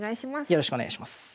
よろしくお願いします。